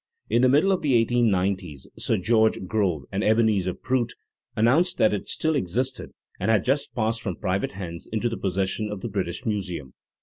In the middle of the eighteen nineties Sir George Grove and Ebenezer Prout announced that it still existed and had just passed from private hands into the possession of the British Museum.